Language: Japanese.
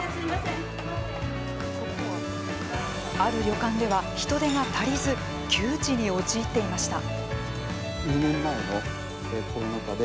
ある旅館では、人手が足りず窮地に陥っていました。